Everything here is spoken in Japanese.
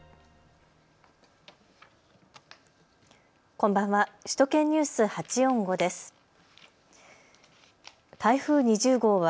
こんばんは。